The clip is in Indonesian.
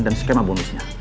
dan skema bonusnya